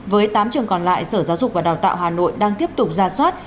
với tám trường còn lại sở giáo dục và đào tạo hà nội đang tiếp tục ra soát